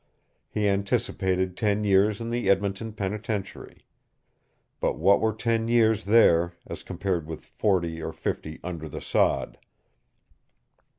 He anticipated ten years in the Edmonton penitentiary. But what were ten years there as compared with forty or fifty under the sod?